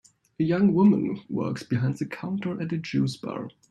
A young woman works behind the counter at a juice bar.